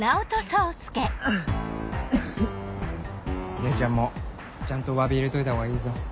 姉ちゃんもちゃんとわび入れといたほうがいいぞ。